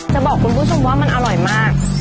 จะบอกคุณผู้ชมว่ามันอร่อยมาก